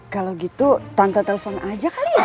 kalau gitu tanpa telepon aja kali ya